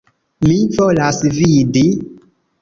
Mi volas vidi.